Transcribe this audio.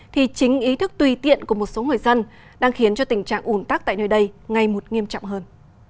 thì chính ý thức tùy tiện của một số người dân đang khiến cho tình trạng ủn tắc tại nơi đây ngay một nghiêm trọng hơn